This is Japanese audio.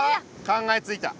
考えついた。